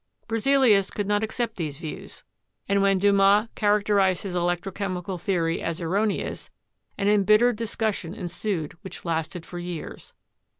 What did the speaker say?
Berzelius could not accept these views, and when Dumas 234 CHEMISTRY characterized his electrochemical theory as erroneous, an embittered discussion ensued which lasted for years.